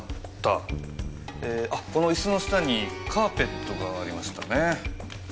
あこのイスの下にカーペットがありましたね。